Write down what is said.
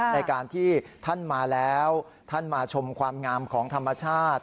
ในการที่ท่านมาแล้วท่านมาชมความงามของธรรมชาติ